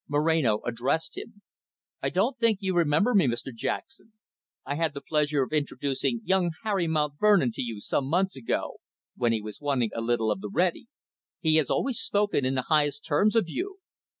Moreno addressed him. "I don't think you remember me, Mr Jackson. I had the pleasure of introducing young Harry Mount Vernon to you some months ago, when he was wanting a little of the ready. He has always spoken in the highest terms of you."